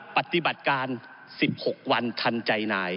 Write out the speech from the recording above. ปฏิบัติการ๑๖วันทันใจนาย